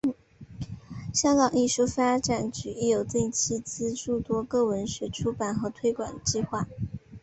香港艺术发展局亦有定期资助多个文学出版和推广计划。